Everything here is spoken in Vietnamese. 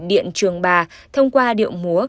điện trường ba thông qua điệu múa